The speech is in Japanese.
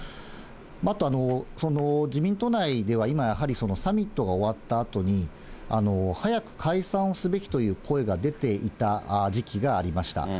あと、自民党内では今やはり、サミットが終わったあとに、早く解散をすべきという声が出ていた時期がありました。